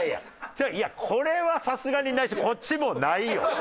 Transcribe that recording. いやこれはさすがにないしこっちもないよ。